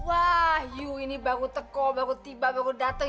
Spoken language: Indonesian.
wah yuk ini baru tegol baru tiba baru datang